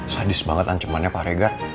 sadis banget ancemannya pak regar